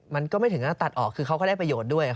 มันก็ไม่ถึงก็ตัดออกคือเขาก็ได้ประโยชน์ด้วย